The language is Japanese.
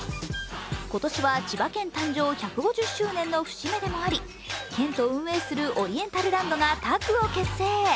今年は千葉県誕生１５０周年の節目でもあり、県と運営するオリエンタルランドがタッグを結成。